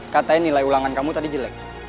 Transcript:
katanya nilai ulangan kamu tadi jelek